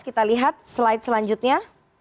kita lihat slide selanjutnya